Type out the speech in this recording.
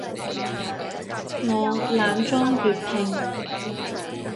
我懶裝粵拼